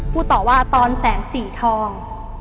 พูดต่อว่าตอนแสงสีทอง